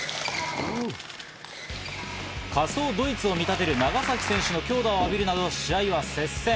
仮想ドイツを見立てる長崎選手の強打をあびるなど試合は接戦。